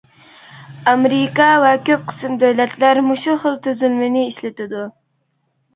ئامېرىكا ۋە كۆپ قىسىم دۆلەتلەر مۇشۇ خىل تۈزۈلمىنى ئىشلىتىدۇ.